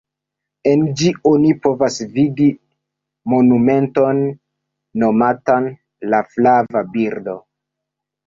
En ĝi, oni povas vidi monumenton nomatan “La flava birdo”.